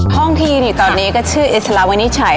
ห้องที่นี่ตอนนี้ก็ชื่ออิสลาวินิจฉัย